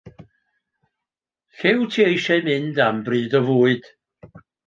Lle wyt ti eisiau mynd am bryd o fwyd?